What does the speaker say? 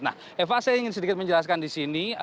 nah eva saya ingin sedikit menjelaskan di sini